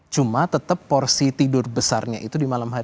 cuma tetep porsi tidur besarnya itu yang lebih besar